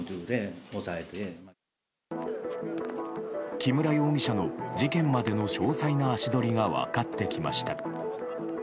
木村容疑者の事件までの詳細な足取りが分かってきました。